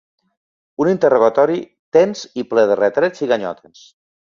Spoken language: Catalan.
Un interrogatori tens i ple de retrets i ganyotes.